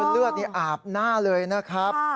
เลือดนี่อาบหน้าเลยนะครับ